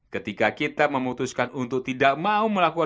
ketika kita memutuskan untuk tidak mau melakukan